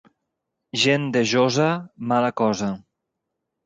Gent de Josa, mala cosa.